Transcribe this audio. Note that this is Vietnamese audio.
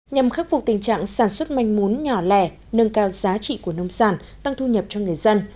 nhằm khắc phục tình trạng sản xuất manh mún nhỏ lẻ nâng cao giá trị của nông sản tăng thu nhập cho người dân